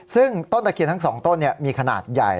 ซึ่งต้นตะเคียนทั้ง๒ต้นมีขนาดใหญ่